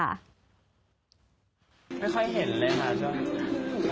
ไม่ค่อยเห็นเลยค่ะจ๊ะ